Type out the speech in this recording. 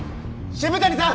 渋谷さん！